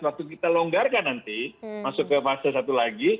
waktu kita longgarkan nanti masuk ke fase satu lagi